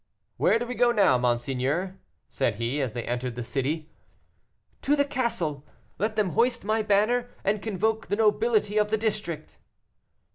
"Where do we go now, monseigneur?" said he, as they entered the city. "To the castle. Let them hoist my banner and convoke the nobility of the district."